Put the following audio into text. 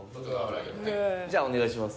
じゃあお願いします。